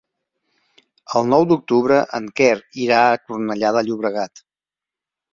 El nou d'octubre en Quer irà a Cornellà de Llobregat.